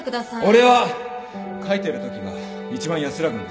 俺は書いてるときが一番安らぐんです。